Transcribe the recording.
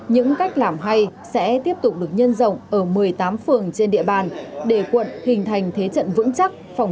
những cách làm hay sẽ tiếp tục được nhân rộng ở một mươi tám phường trên địa bàn để quận hình thành thế trận vững chắc